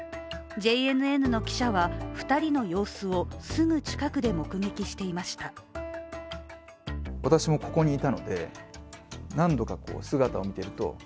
ＪＮＮの記者は２人の様子をすぐ近くで目撃していました。